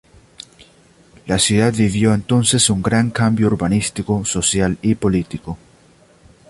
La ciudad vivió entonces un gran cambio urbanístico, social y político.